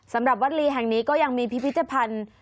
สำหรับวัดลีแห่งนี้ก็ยังมีพิพิธภัณฑ์